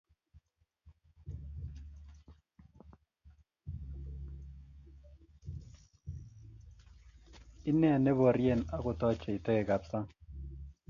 ineen neboryen ak kotochei toekab sang